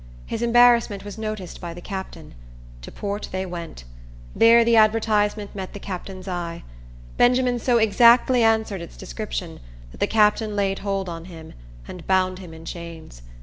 His embarrassment was noticed by the captain. To port they went. There the advertisement met the captain's eye. Benjamin so exactly answered its description, that the captain laid hold on him, and bound him in chains.